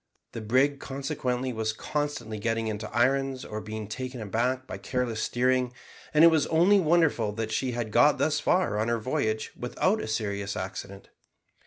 The brig consequently was constantly getting into irons or being taken aback by careless steering, and it was only wonderful that she had got thus far on her voyage without a serious accident.